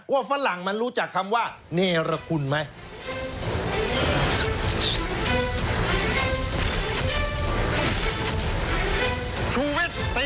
ฝรั่งมันรู้จักคำว่าเนรคุณไหม